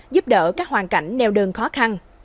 giúp đỡ các hoàn cảnh neo đơn khó khăn